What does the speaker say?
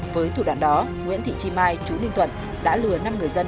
với thủ đoạn đó nguyễn thị chi mai chủ đinh tuận đã lừa năm người dân